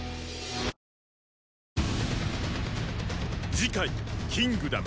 次回「キングダム」